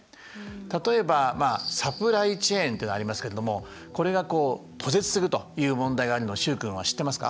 例えばサプライ・チェーンというのがありますけれどもこれが途絶するという問題があるのを習君は知ってますか？